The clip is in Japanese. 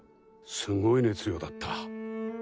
すごい熱量だった。